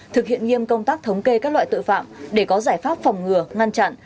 thực hiện nghiêm công tác thống kê các loại tội phạm để có giải pháp phòng ngừa ngăn chặn